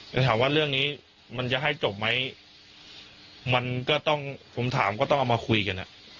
แต่ถามว่าเรื่องนี้มันจะให้จบไหมมันก็ต้องผมถามก็ต้องเอามาคุยกันอ่ะ